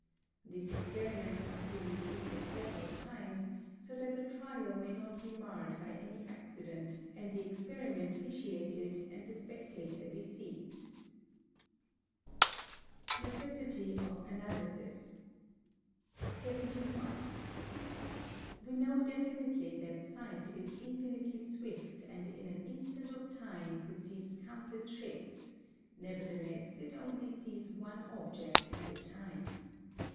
This experiment must be repeated several times, so that the trial may not be marred by any accident and the experiment vitiated and the spectator deceived. [Sidenote: Necessity of Analysis] 71. We know definitely that sight is infinitely swift and in an instant of time perceives countless shapes, nevertheless it only sees one object at a time.